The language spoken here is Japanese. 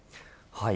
はい。